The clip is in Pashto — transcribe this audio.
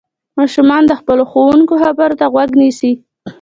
ماشومان د خپلو ښوونکو خبرو ته غوږ نيسي.